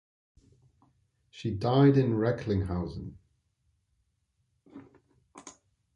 She died in Recklinghausen.